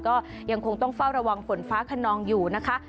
ก็ยังคงต้องเฝ้าระวังฝนฟ้าขนองอยู่นะคะ